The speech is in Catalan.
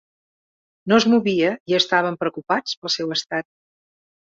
No es movia, i estaven preocupats pel seu estat.